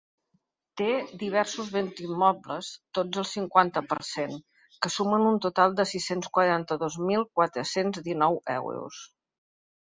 Té diversos béns immobles, tots al cinquanta per cent, que sumen un total de sis-cents quaranta-dos mil quatre-cents dinou euros.